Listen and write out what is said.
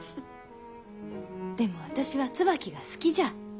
でも私は椿が好きじゃ。